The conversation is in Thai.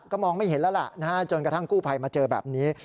มองไม่เห็นแล้วล่ะจนกระทั่งกู้ภัยมาเจอแบบนี้